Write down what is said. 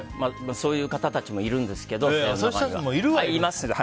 そういう方たちもいるんですけど声優の方には。